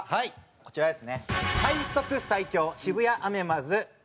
こちらですね。